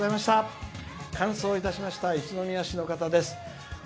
完走いたしました一宮市の方です